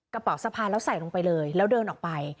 กระเป๋าสะพานแล้วใส่ลงไปเลยแล้วเดินออกไป